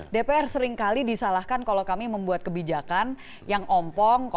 dpr seringkali disalahkan kalau kami membuat kebijakan yang ompong